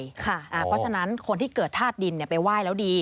เพราะฉะนั้นคนที่เกิดธาตุดินไปไหว้แล้วดี